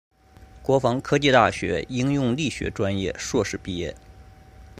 国防科技大学应用力学专业硕士毕业。